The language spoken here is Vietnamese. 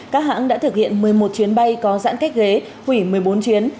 các hãng đã thực hiện một mươi một chuyến bay có giãn cách ghế hủy một mươi bốn chuyến